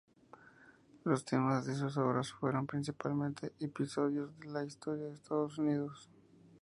Los temas de sus obras fueron, principalmente, episodios de la historia de Estados Unidos.